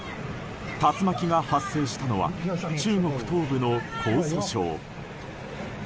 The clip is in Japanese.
竜巻が発生したのは中国東部の江蘇省。